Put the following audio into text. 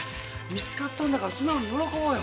見つかったんだから素直に喜ぼうよ。